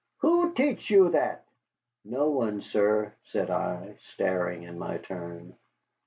"Who teach you that?" "No one, sir," said I, staring in my turn.